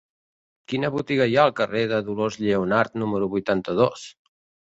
Quina botiga hi ha al carrer de Dolors Lleonart número vuitanta-dos?